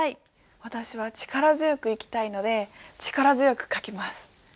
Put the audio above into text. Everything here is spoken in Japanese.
私は力強く生きたいので力強く書きます。